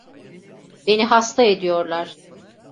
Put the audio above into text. Beni hasta ediyorlar.